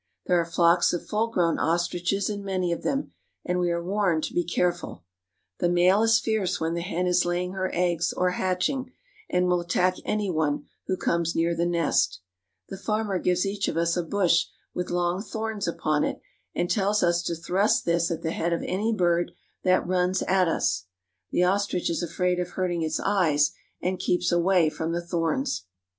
There are flocks of f uU g^own ostriches in many of them, and we are warned to be careful. The male is fierce when the hen is laying her eggs or hatching, and will attack any one who comes near the nest. The farmer gives each of us a bush with long thorns upon it, and tells us to thrust this at the head of any bird that runs at us. The ostrich is afraid of hurting its eyes, and keeps away from the thorns.